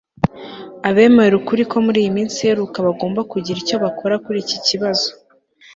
abemera ukuri ko muri iyi minsi iheruka bagomba kugira icyo bakora kur'iki kibazo